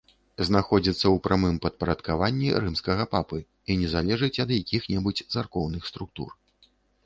Знаходзіцца ў прамым падпарадкаванні рымскага папы і не залежыць ад якіх-небудзь царкоўных структур.